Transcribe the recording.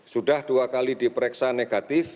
sudah dua kali diperiksa negatif